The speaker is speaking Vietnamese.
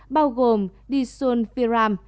bao gồm disulfiram